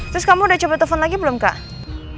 terus kamu udah coba telepon lagi belum kak